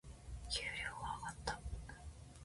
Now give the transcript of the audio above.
給料が上がった。